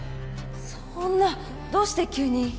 そんなどうして急に。